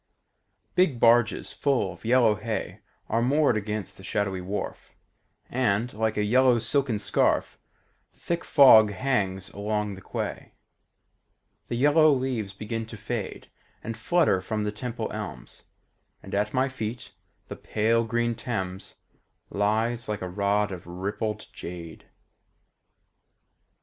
Big barges full of yellow hay Are moored against the shadowy wharf, And, like a yellow silken scarf, The thick fog hangs along the quay. The yellow leaves begin to fade And flutter from the Temple elms, And at my feet the pale green Thames Lies like a rod of rippled jade.